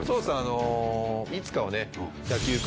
あのいつかはね。